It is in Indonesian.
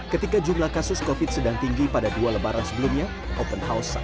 ketika jumlah kasus covid sedang tinggi pada dua lebaran sebelumnya open house